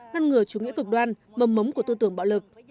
ngăn ngừa chủ nghĩa cực đoan mầm mống của tư tưởng bạo lực